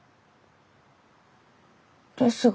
ですが